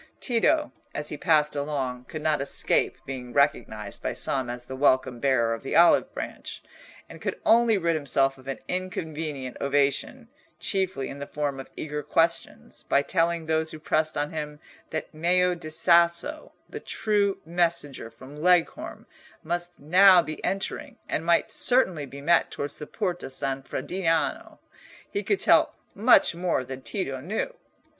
Tito, as he passed along, could not escape being recognised by some as the welcome bearer of the olive branch, and could only rid himself of an inconvenient ovation, chiefly in the form of eager questions, by telling those who pressed on him that Meo di Sasso, the true messenger from Leghorn, must now be entering, and might certainly be met towards the Porta San Frediano. He could tell much more than Tito knew.